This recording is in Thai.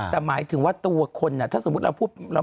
แต่หมายถึงว่าตัวคนน่ะถ้าสมมติเรา